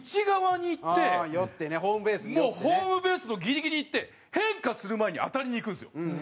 もうホームベースのギリギリ行って変化する前に当たりにいくんですよ。